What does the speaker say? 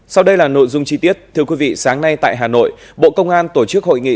sau đây là nội dung chi tiết thưa quý vị sáng nay tại hà nội bộ công an tổ chức hội nghị